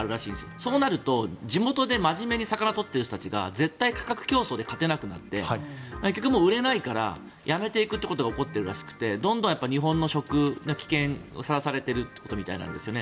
そうなると地元で真面目に魚を取っている人たちが絶対に価格競争で勝てなくなって結局、売れないからやめていくってことが起こってるらしくてどんどん日本の食が危険にさらされてるらしいんですね。